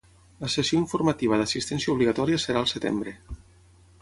La sessió informativa d'assitència obligatòria serà al setembre